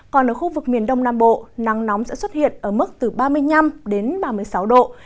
còn ở khu vực miền đông nam bộ nắng nóng sẽ xuất hiện ở mức từ ba mươi năm đến ba mươi sáu độ